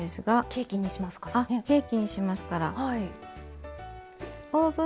ケーキにしますからね。